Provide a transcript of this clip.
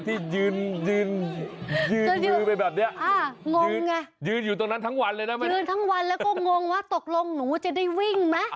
ที่ยืนมือไปแบบนี้